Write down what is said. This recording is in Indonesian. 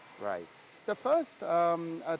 jadi ini terjadi